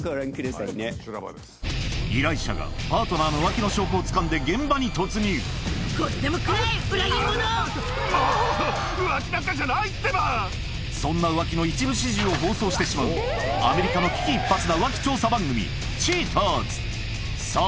依頼者がパートナーの浮気の証拠をつかんでそんな浮気の一部始終を放送してしまうアメリカの危機一髪な浮気調査番組『チーターズ』さぁ